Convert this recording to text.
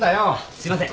すいません。